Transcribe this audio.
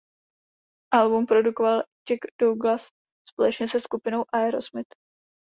Album produkoval Jack Douglas společně se skupinou Aerosmith.